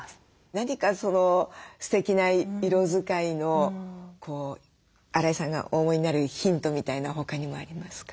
何かステキな色使いの荒井さんがお思いになるヒントみたいな他にもありますか？